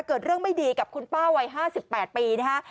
เกิดเรื่องไม่ดีกับคุณป้าวัย๕๘ปีนะฮะ